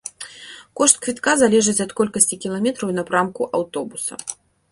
Кошт квітка залежыць ад колькасці кіламетраў і напрамку аўтобуса.